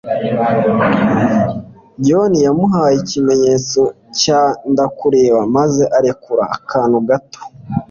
John yamuhaye ikimenyetso cy '' Ndakureba 'maze arekura akantu gato.